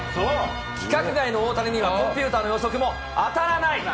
規格外の大谷にはコンピューターの予測も当たらない。